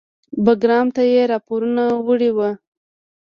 بګرام ته یې راپورونه وړي وو.